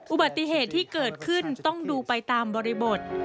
อุบัติเหตุที่เกิดขึ้นต้องดูไปตามบริบท